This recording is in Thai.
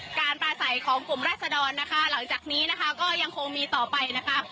ปลาใสของกลุ่มราศดรนะคะหลังจากนี้นะคะก็ยังคงมีต่อไปนะคะ